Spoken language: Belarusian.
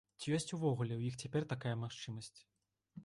І ці ёсць увогуле у іх цяпер такая магчымасць?